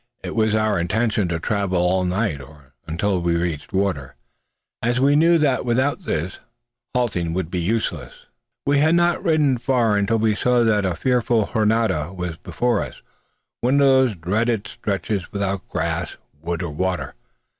It was our intention to travel all night, or until we reached water, as we knew that without this, halting would be useless. We had not ridden far until we saw that a fearful Jornada was before us one of those dreaded stretches without grass, wood, or water.